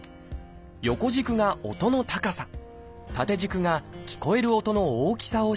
横軸が音の高さ縦軸が聞こえる音の大きさを示しています。